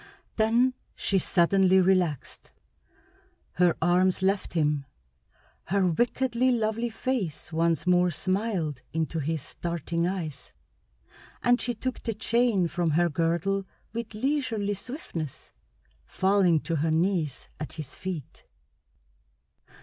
Then she suddenly relaxed. Her arms left him, her wickedly lovely face once more smiled into his starting eyes, and she took the chain from her girdle with leisurely swiftness, falling to her knees at his feet.